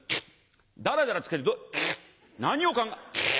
ダラダラつけて何を考え。